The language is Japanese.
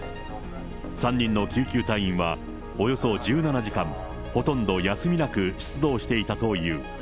３人の救急隊員は、およそ１７時間、ほとんど休みなく出動していたという。